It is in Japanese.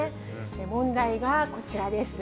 問題がこちらです。